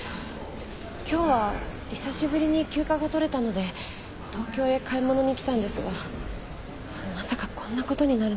今日は久しぶりに休暇が取れたので東京へ買い物にきたんですがまさかこんな事になるなんて。